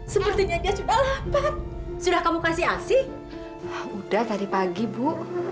sepertinya sudah kamu kasih asyik udah tadi pagi bu